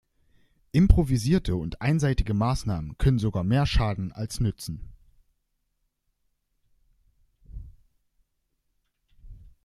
Improvisierte und einseitige Maßnahmen können sogar mehr schaden als nützen.